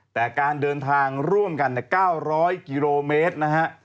แต่การเดินทางร่วมกัน๙๐๐กิโลเมตรนะฮะ